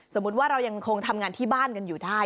สมมุติว่าเรายังคงทำงานที่บ้านกันอยู่ได้